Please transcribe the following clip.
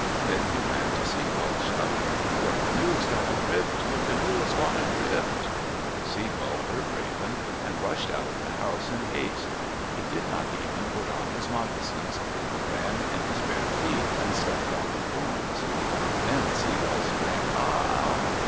Then he ran to Sea Gull, shouting, "Your canoe has gone adrift! Your canoe has gone adrift!" Sea Gull heard Raven and rushed out of the house in haste. He did not even put on his moccasins; he ran in his bare feet and stepped on the thorns. Then Sea Gull screamed, "Ah ah!"